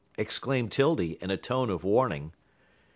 exclaimed 'Tildy, in a tone of warning.